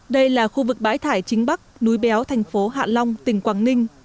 đây là khu vực bãi thải chính bắc núi béo thành phố hạ long tỉnh quảng ninh